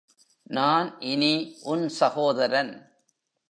நான் இனி உன் சகோதரன்.